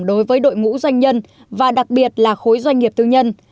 đối với đội ngũ doanh nhân và đặc biệt là khối doanh nghiệp tư nhân